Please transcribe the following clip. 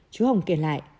chú hồng kể lại